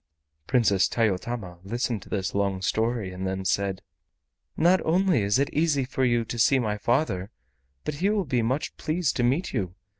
Princess Tayotama listened to this long story, and then said: "Not only is it easy for you to see my father, but he will be much pleased to meet you.